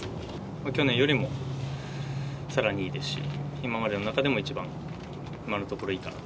去年よりもさらにいいですし、今までの中でも一番、今のところいいかなと。